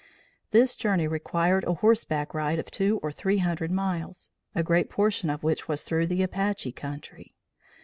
This journey required a horseback ride of two or three hundred miles, a great portion of which was through the Apache country.